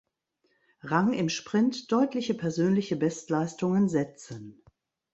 Rang im Sprint deutliche persönliche Bestleistungen setzen.